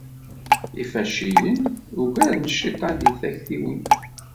Ifaciyen ugaren cciṭan deg taktiwin.